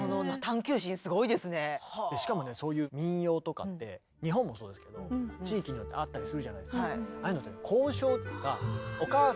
しかもねそういう民謡とかって日本もそうですけど地域によってあったりするじゃないですか。